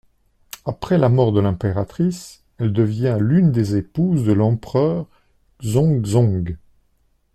Après la mort de l'impératrice, elle devient l'une des épouses de l'empereur Zhongzong.